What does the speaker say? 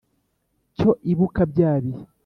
Cyo ibuka bya bihe